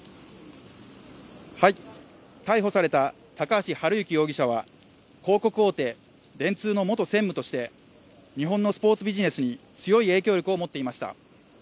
逮捕された高橋治之容疑者は広告大手、電通の元専務として日本のスポーツビジネスに強い影響力を持っていました。